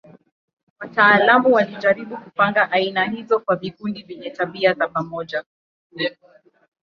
Wataalamu walijaribu kupanga aina hizo kwa vikundi vyenye tabia za pamoja.